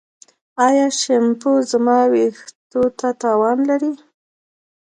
ایا شیمپو زما ویښتو ته تاوان لري؟